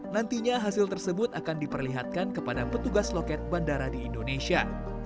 nantinya hasil tersebut akan diperlihatkan kepada petugas loket bandara di indonesia